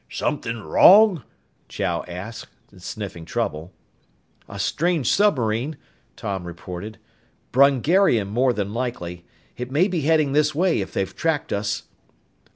"Somethin' wrong?" Chow asked, sniffing trouble. "A strange submarine," Tom reported. "Brungarian more than likely. It may be heading this way if they've tracked us."